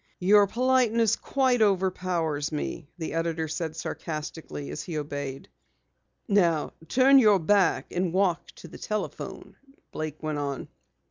"Your politeness quite overpowers me," the editor said sarcastically, as he obeyed. "Now turn your back and walk to the telephone," Blake went on.